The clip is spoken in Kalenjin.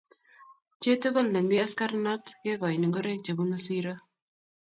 chitokol nemii askarnat kekoini ngoroik chebunuu siroo